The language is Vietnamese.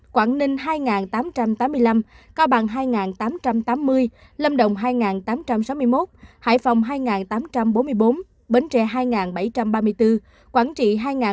quảng ninh hai tám trăm tám mươi năm cao bằng hai tám trăm tám mươi lâm động hai tám trăm sáu mươi một hải phòng hai tám trăm bốn mươi bốn bến trệ hai bảy trăm ba mươi bốn quảng trị hai bốn trăm một mươi bảy